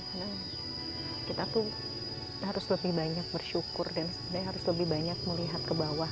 kadang kita tuh harus lebih banyak bersyukur dan sebenarnya harus lebih banyak melihat ke bawah